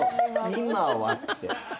「今は？」って。